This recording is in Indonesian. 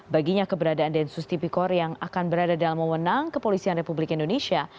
baginya keberadaan densus tipikor yang akan berada dalam mewenang kepolisian republik indonesia